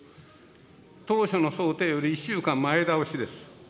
当初の想定より１週間前倒しです。